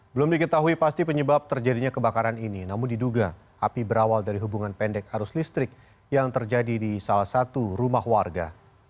belum diketahui pasti penyebab terjadinya kebakaran ini namun diduga api berawal dari hubungan pendek arus listrik yang terjadi di salah satu rumah warga